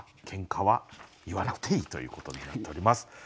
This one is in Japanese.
「ケンカ」は言わなくていいということになっております。